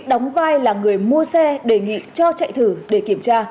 đóng vai là người mua xe đề nghị cho chạy thử để kiểm tra